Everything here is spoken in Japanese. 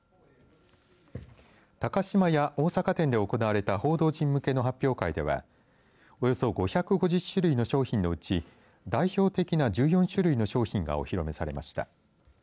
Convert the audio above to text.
高島屋大阪店で行われた報道陣向けの発表会ではおよそ５５０種類の商品のうち代表的な１４種類の商品がお披露目されました。